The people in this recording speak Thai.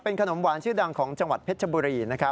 ขนมหวานชื่อดังของจังหวัดเพชรบุรี